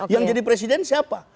yang jadi presiden siapa